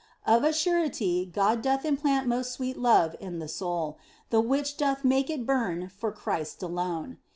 Of a surety, God doth implant most sweet love in the soul, the which doth make it burn for Christ alone.